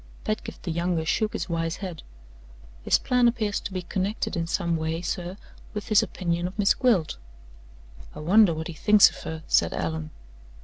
Pedgift the younger shook his wise head. "His plan appears to be connected in some way, sir, with his opinion of Miss Gwilt." "I wonder what he thinks of her?" said Allan.